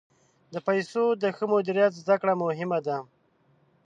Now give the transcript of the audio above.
د پیسو د ښه مدیریت زده کړه مهمه ده.